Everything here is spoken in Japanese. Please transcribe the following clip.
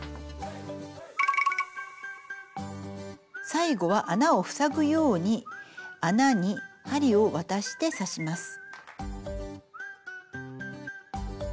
最後は穴を塞ぐように穴に針を渡して刺します。